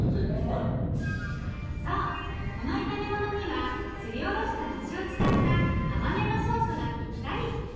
そうこの炒め物にはすりおろした梨を使った甘めのソースがぴったり。